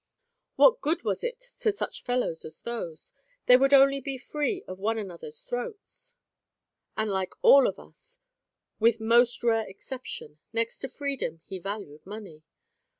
What good was it to such fellows as those? They would only be free of one another's throats. And like all of us, with most rare exception, next to freedom, he valued money.